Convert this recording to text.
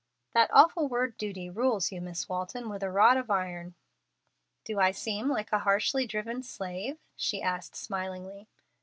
"That awful word 'duty' rules you, Miss Walton, with a rod of iron." "Do I seem like a harshly driven slave?" she asked, smilingly.